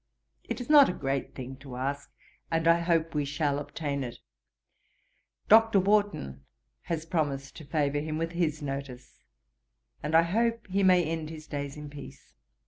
It is not a great thing to ask, and I hope we shall obtain it. Dr. Warton has promised to favour him with his notice, and I hope he may end his days in peace.